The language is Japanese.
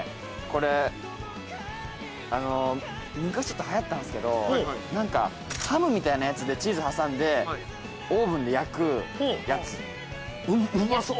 昔流行ったんすけど、ハムみたいなやつでチーズを挟んでオーブンで焼くやつ。